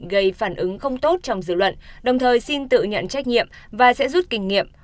gây phản ứng không tốt trong dự luận đồng thời xin tự nhận trách nhiệm và sẽ rút kinh nghiệm